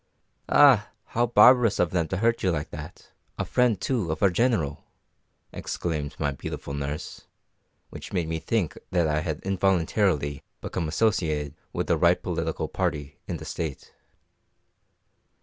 "Ah, how barbarous of them to hurt you like that! a friend, too, of our General!" exclaimed my beautiful nurse; which made me think that I had involuntarily become associated with the right political party in the State.